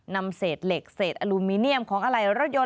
นำเศษเหล็กเศษอลูมิเนียมของอะไหล่รถยน